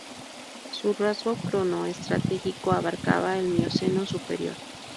Su rango cronoestratigráfico abarcaba el Mioceno superior.